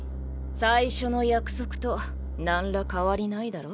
最初の約束と何ら変わりないだろ？